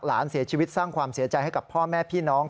หลานเสียชีวิตสร้างความเสียใจให้กับพ่อแม่พี่น้อง